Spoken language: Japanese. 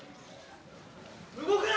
動くな！